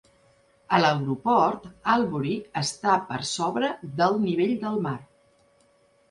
A l'aeroport, Albury està per sobre del nivell del mar.